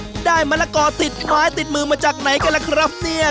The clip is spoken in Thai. ได้มะละกอติดไม้ติดมือมาจากไหนกันล่ะครับเนี่ย